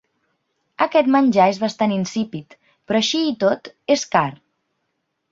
Aquest menjar és bastant insípid, però així i tot és car.